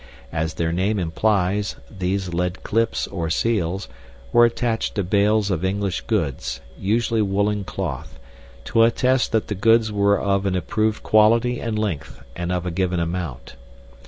As their name implies, these lead clips, or seals, were attached to bales of English goods, usually woolen cloth, to attest that the goods were of an approved quality and length, and of a given amount.